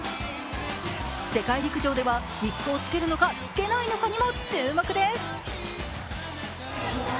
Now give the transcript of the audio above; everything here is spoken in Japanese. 世界陸上ではウイッグをつけるのか、つけないのかにも注目です。